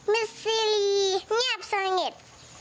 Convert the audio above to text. มิสซีรีเงียบเซอร์เง็ด